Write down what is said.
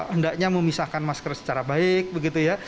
hendaknya memisahkan masker secara baik begitu ya